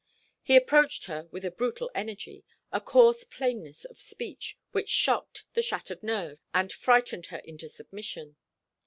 He approached her with a brutal energy, a coarse plainness of speech, which shocked the shattered nerves, and frightened her into submission.